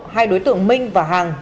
hai đối tượng minh và hằng